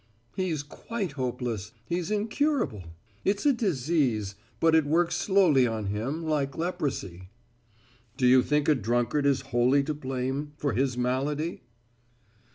"He's quite hopeless. He's incurable. It's a disease; but it works slowly on him, like leprosy." "Do you think a drunkard is wholly to blame for his malady!"